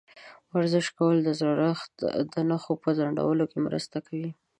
ورزش کول د زړښت د نښو په ځنډولو کې مرسته کوي.